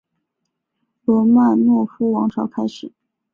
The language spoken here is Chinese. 罗曼诺夫王朝开始。